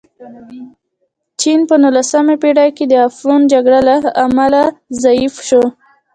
چین په نولسمه پېړۍ کې د افیون جګړو له امله ضعیف شو.